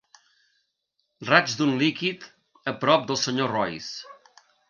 Raig d'un líquid a prop del senyor Royce.